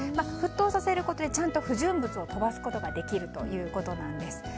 沸騰させることでちゃんと不純物を飛ばすことができるということなんです。